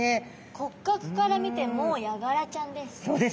骨格から見てもうヤガラちゃんです。